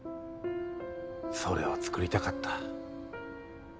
それを作りたかった。